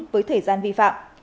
với thời gian vi phạm